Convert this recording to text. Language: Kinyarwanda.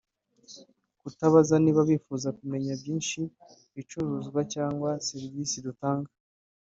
tukababaza niba bifuza kumenya byinshi ku gicuruzwa cyangwa serivisi dutanga